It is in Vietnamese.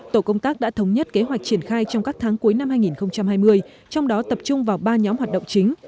tổ công tác đã thống nhất kế hoạch triển khai trong các tháng cuối năm hai nghìn hai mươi trong đó tập trung vào ba nhóm hoạt động chính